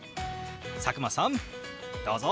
佐久間さんどうぞ！